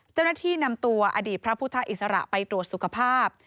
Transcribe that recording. เจ้าหน้าที่นำตัวอดีตพระพุทธอิสระไปตรวจสุขภาพ